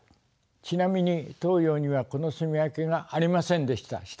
ちなみに東洋にはこの棲み分けがありませんでした。